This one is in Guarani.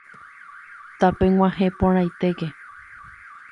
Tapeg̃uahẽporãitéke